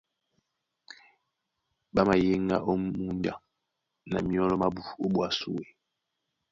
Ɓá mayéŋgá ó múnja na myɔ́lɔ mábū ó ɓwá súe.